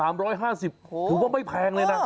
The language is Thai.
๑๐ไม้๓๕๐ถือว่าไม่แพงเลยนะ